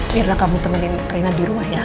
lihatlah kamu temenin rina di rumah ya